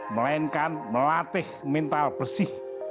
melainkan melatih mental bersih